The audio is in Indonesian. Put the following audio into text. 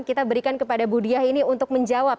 kita berikan kepada bu diah ini untuk menjawab